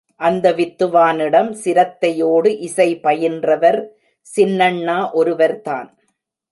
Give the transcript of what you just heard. அந்த வித்துவானிடம் சிரத்தையோடு இசை பயின்றவர் சின்னண்ணா ஒருவர்தான்.